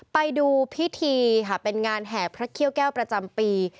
ไปดูพิธีค่ะเป็นงานแห่พระเขี้ยวแก้วประจำปี